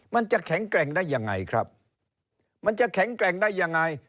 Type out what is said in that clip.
มันจะแข็งแกร่งได้ยังไงครับมันจะแข็งแกร่งได้ยังไง